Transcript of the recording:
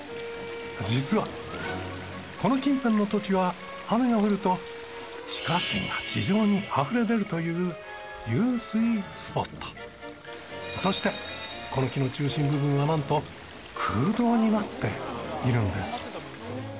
実はこの近辺の土地は雨が降ると地下水が地上にあふれ出るというそしてこの木の中心部分はなんと空洞になっているんです。